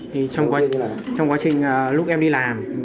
trong quá trình lúc em đi làm